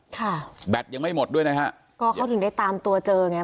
ค่ะแบตยังไม่หมดด้วยนะฮะก็เขาถึงได้ตามตัวเจอไง